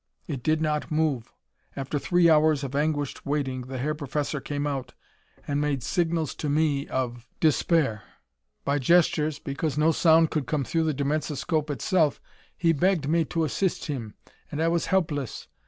It did not move. After three hours of anguished waiting, the Herr Professor came out and made signals to me of despair. By gestures, because no sound could come through the dimensoscope itself, he begged me to assist him. And I was helpless!